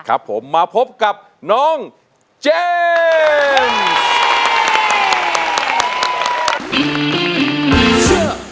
ครับผมมาพบกับน้องเจมส์